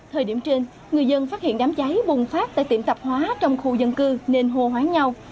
thời điểm trên người dân phát hiện đám cháy bùng phát tại tiệm tạp hóa trong khu dân cư nên hô hoáng nhau